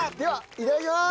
いただきます！